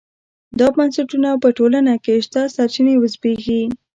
دا بنسټونه په ټولنه کې شته سرچینې وزبېښي.